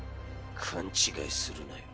勘違いするなよ。